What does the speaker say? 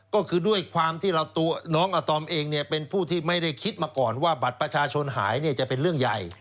ก็คือด้วยความที่เราตัวน้องอาตอมเองเป็นผู้ที่ไม่ได้คิดมาก่อนว่าบัตรประชาชนหายจะเป็นเรื่องใหญ่